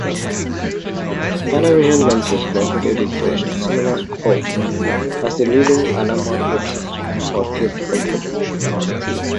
Panavision lenses gradually replaced CinemaScope as the leading anamorphic system for theatrical projection.